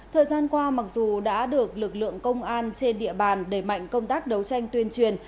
thời gian qua mặc dù đã được lực lượng công an trên địa bàn đẩy mạnh công tác đấu tranh tuyên truyền